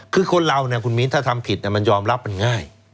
คือคนเราเนี่ยคุณมิ้นถ้าทำผิดมันยอมรับมันง่าย